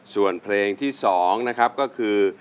ส่วนเพลงที่๒นะครับก็คือ